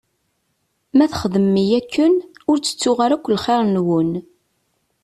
Ma txedmem-iyi akken, ur tettuɣ ara akk lxir-nwen.